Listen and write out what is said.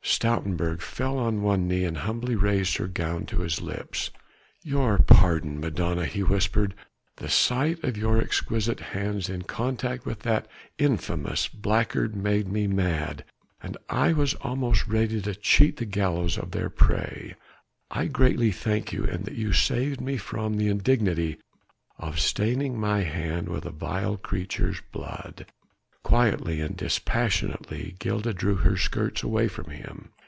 Stoutenburg fell on one knee and humbly raised her gown to his lips. "Your pardon, Madonna," he whispered, "the sight of your exquisite hands in contact with that infamous blackguard made me mad. I was almost ready to cheat the gallows of their prey. I gratefully thank you in that you saved me from the indignity of staining my hand with a vile creature's blood." Quietly and dispassionately Gilda drew her skirts away from him.